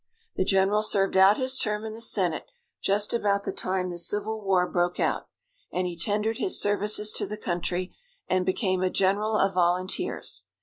The general served out his term in the senate just about the time the Civil War broke out, and he tendered his services to the country, and became a general of volunteers.